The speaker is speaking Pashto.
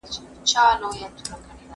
زه کولای سم مېوې وچوم؟!